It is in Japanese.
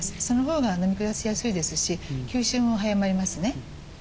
その方がのみ下しやすいですし吸収も早まりますね。